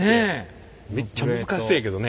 めっちゃ難しそうやけどね